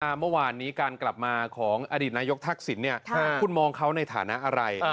เมื่อวานนี้การกลับมาของอดีตนายกทักษิณเนี่ยคุณมองเขาในฐานะอะไร